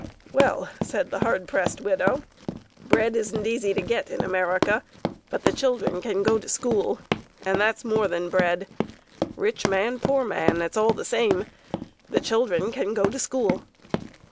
"Well," said the hard pressed widow, "bread isn't easy to get in America, but the children can go to school, and that's more than bread. Rich man, poor man, it's all the same: the children can go to school."